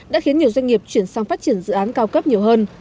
đã khiến nhiều doanh nghiệp chuyển sang phát triển dự án cao cấp nhiều hơn